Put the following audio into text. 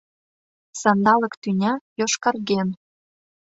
Сандалык-тӱня, йошкарген